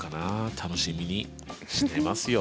楽しみにしてますよ。